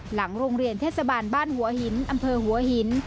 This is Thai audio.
หลังโรงเรียนเทศบาลบ้านหัวหินอำเภอหัวหิน